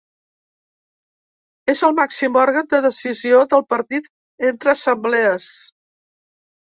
És el màxim òrgan de decisió del partit entre assemblees.